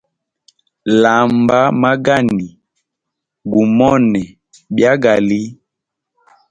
Lamba magani gumone byagali.